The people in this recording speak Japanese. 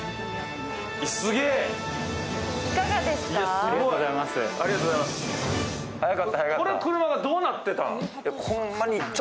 いかがですか？